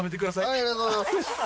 ありがとうございます。